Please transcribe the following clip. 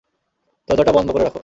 দরজাটা বন্ধ করে রাখ।